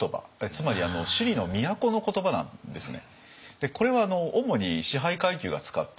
つまり首里の都の言葉なんですね。